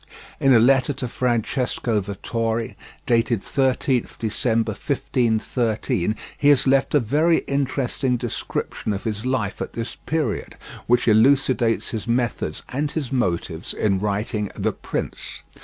In a letter to Francesco Vettori, dated 13th December 1513, he has left a very interesting description of his life at this period, which elucidates his methods and his motives in writing The Prince.